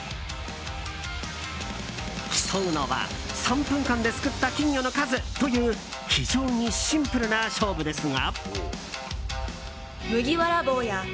競うのは３分間ですくった金魚の数という非常にシンプルな勝負ですが。